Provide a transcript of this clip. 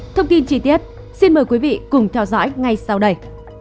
thông tin chi tiết xin mời quý vị cùng theo dõi ngay sau đây